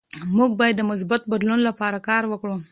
موږ باید د مثبت بدلون لپاره کار وکړو.